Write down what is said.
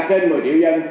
trên một mươi triệu dân